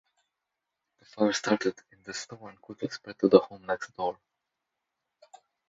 The fire started in the store and quickly spread to the home next door.